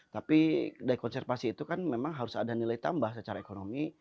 tapi dari konservasi itu kan memang harus ada nilai tambah secara ekonomi